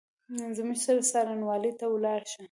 زموږ سره څارنوالۍ ته ولاړ شه !